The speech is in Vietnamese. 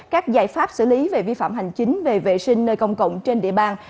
các giải pháp xử lý về vi phạm hành chính về vệ sinh nơi công cộng trên địa bàn